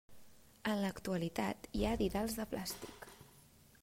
En l'actualitat hi ha didals de plàstic.